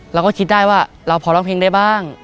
เราก็คิดได้ว่าเราพอร้องเพลงได้บ้าง